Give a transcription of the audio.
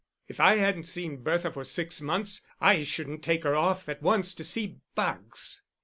"If I hadn't seen Bertha for six months, I shouldn't take her off at once to see bugs."